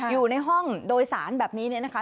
อยู่ในห้องโดยสารแบบนี้เนี่ยนะคะ